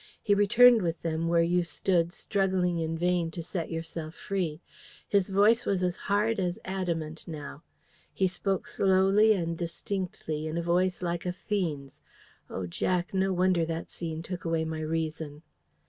He returned with them where you stood, struggling in vain to set yourself free. His voice was as hard as adamant now. He spoke slowly and distinctly, in a voice like a fiend's. Oh, Jack, no wonder that scene took away my reason!"